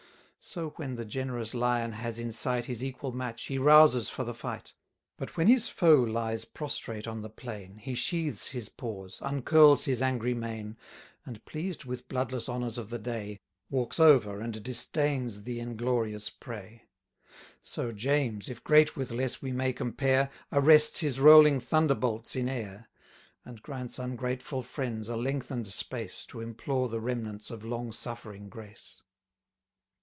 So when the generous Lion has in sight His equal match, he rouses for the fight; But when his foe lies prostrate on the plain, He sheaths his paws, uncurls his angry mane, 270 And, pleased with bloodless honours of the day, Walks over and disdains the inglorious prey. So James, if great with less we may compare, Arrests his rolling thunderbolts in air! And grants ungrateful friends a lengthen'd space, To implore the remnants of long suffering grace.